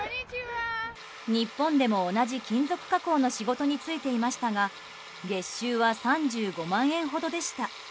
日本でも同じ金属加工の仕事に就いていましたが月収は３５万円ほどでした。